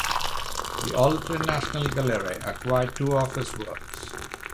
The Alte Nationalgalerie acquired two of his works.